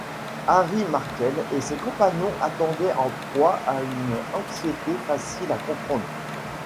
Harry Markel et ses compagnons attendaient en proie à une anxiété facile à comprendre.